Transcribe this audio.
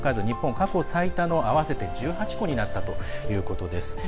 日本、過去最多の合わせて１８個になったということです。